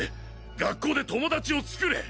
学校で友達をつくれ！